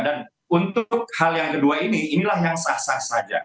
dan untuk hal yang kedua ini inilah yang sah sah saja